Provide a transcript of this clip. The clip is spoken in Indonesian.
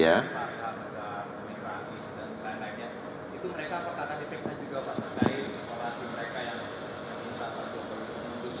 dari parahangsa mikravis dan lain lainnya